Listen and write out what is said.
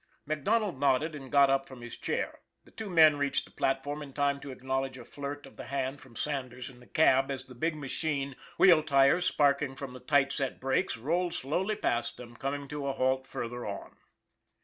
" MacDonald nodded and got up from his chair. The two men reached the platform in time to acknowl edge a flirt of the hand from Sanders in the cab as the big machine, wheel tires sparking from the tight set brakes, rolled slowly past them, coming to a halt farther on.